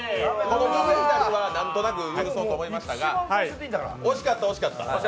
右左はなんとなく許そうと思いましたが、惜しかった、惜しかった。